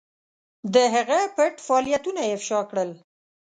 د هغه پټ فعالیتونه یې افشا کړل.